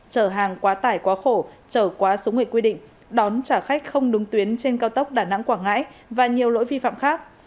trở hàng quá tải quá khổ trở quá số người quy định đón trả khách không đúng tuyến trên cao tốc đà nẵng quảng ngãi và nhiều lỗi vi phạm khác